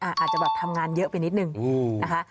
อาจจะแบบทำงานเยอะไปนิดนึงนะคะ